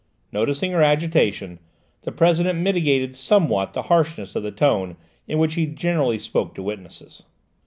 Noticing her agitation, the President mitigated somewhat the harshness of the tone in which he generally spoke to witnesses.